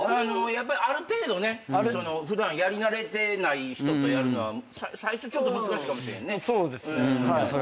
ある程度ね普段やり慣れてない人とやるのは最初ちょっと難しいかもしれんね。